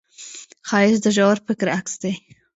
ښایست د ژور فکر عکس دی